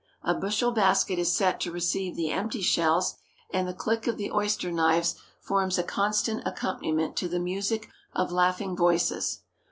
A bushel basket is set to receive the empty shells, and the click of the oyster knives forms a constant accompaniment to the music of laughing voices.